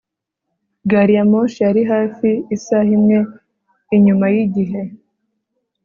Gari ya moshi yari hafi isaha imwe inyuma yigihe